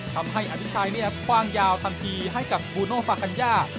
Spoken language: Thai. ทำให้อธิชัยคว่างยาวทันทีให้กับบูโนฟากัญญา